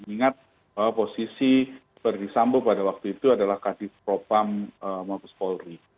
ingat bahwa posisi verdi sambo pada waktu itu adalah kadif propam mabes polri